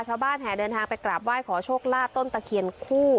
แห่เดินทางไปกราบไหว้ขอโชคลาภต้นตะเคียนคู่